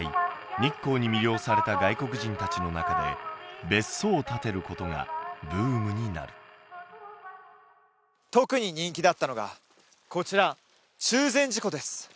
日光に魅了された外国人達の中で別荘を建てることがブームになる特に人気だったのがこちら中禅寺湖です